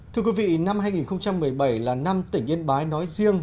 thưa quý vị năm hai nghìn một mươi bảy là năm tỉnh yên bái nói riêng